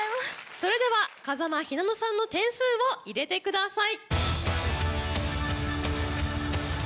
それでは風間ひなのさんの点数を入れてください。